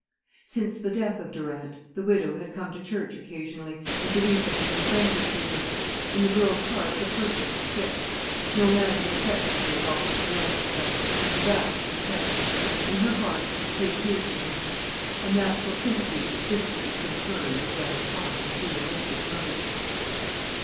Since the death of Durant, the widow had come to church occasionally, and Louisa had been friendly to her. In the girl's heart the purpose was fixed. No man had affected her as Alfred Durant had done, and to that she kept. In her heart, she adhered to him. A natural sympathy existed between her and his rather hard, materialistic mother.